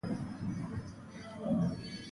اوښ د افغانانو لپاره په معنوي لحاظ ارزښت لري.